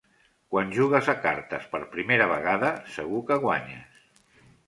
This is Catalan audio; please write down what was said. Quan jugues a cartes per primera vegada, segur que guanyes.